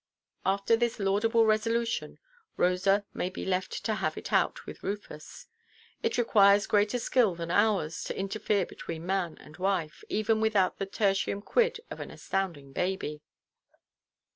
After this laudable resolution, Rosa may be left to have it out with Rufus. It requires greater skill than ours to interfere between man and wife, even without the tertium quid of an astounding baby.